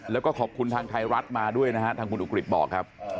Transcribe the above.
แล้วก็ขอบคุณทางไทยรัฐมาด้วยนะฮะทางคุณอุกฤษบอกครับ